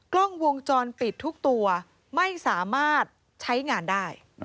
กล้องวงจรปิดทุกตัวไม่สามารถใช้งานได้